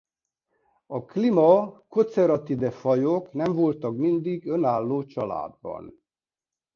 A Climacoceratidae-fajok nem voltak mindig önálló családban.